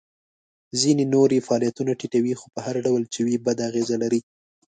ځینې نور یې فعالیتونه ټیټوي خو په هر ډول چې وي بده اغیزه لري.